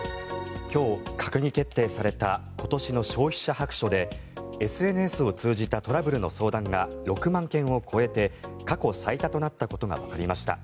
今日、閣議決定された今年の消費者白書でＳＮＳを通じたトラブルの相談が６万件を超えて過去最多となったことがわかりました。